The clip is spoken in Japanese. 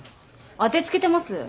当て付けてます？